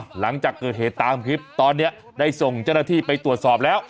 หลังจากเกิดเหตุตามคลิปตอนนี้ได้ส่งเจ้าหน้าที่ไปตรวจสอบแล้ว